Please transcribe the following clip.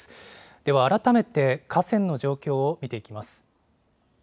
では、改めて河川の状況を見ていきます。